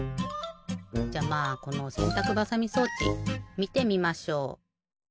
じゃまあこのせんたくばさみ装置みてみましょう！